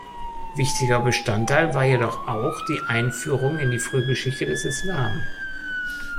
Wichtiger Bestandteil war jedoch auch die Einführung in die Frühgeschichte des Islam.